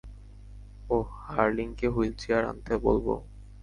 ওহ, হারলিংকে হুইলচেয়ার আনতে বলবো?